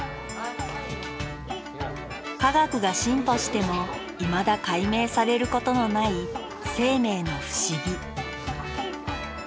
科学が進歩してもいまだ解明されることのない生命の不思議。